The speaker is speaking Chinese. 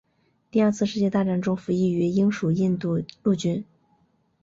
第二次世界大战中服役于英属印度陆军。